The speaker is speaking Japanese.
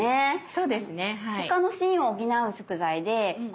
そうですね